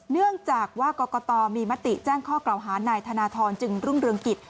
เนื่องจากว่ากรกตมีมติแจ้งข้อกล่าวหานายธนทรจึงรุ่งเรืองกิจ